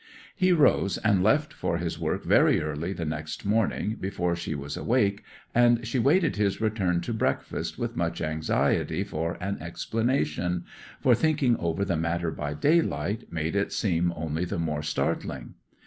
'He rose and left for his work very early the next morning, before she was awake, and she waited his return to breakfast with much anxiety for an explanation, for thinking over the matter by daylight made it seem only the more startling.